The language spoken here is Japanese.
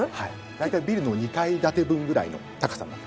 大体ビルの２階建て分ぐらいの高さになってます。